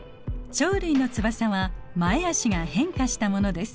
鳥類の翼は前あしが変化したものです。